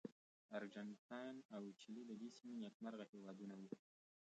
ارجنټاین او چیلي د دې سیمې نېکمرغه هېوادونه وو.